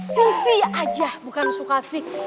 sisi aja bukan suka sih